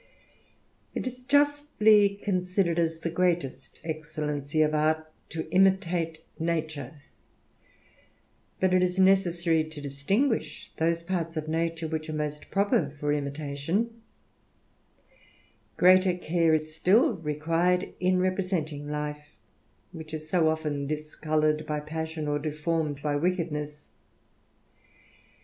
It is justly considered as the greatest excellency of art, to imitate nature ; but it is necessary to distinguish those parts of nature, which are most proper for imitation : greater care is still required in representing life, which is so often discoloured by passion, or deformed by wickedness.